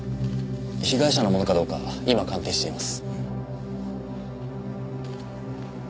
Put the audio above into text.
被害者のものかどうか今鑑定しています。